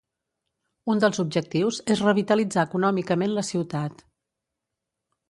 Un dels objectius és revitalitzar econòmicament la ciutat.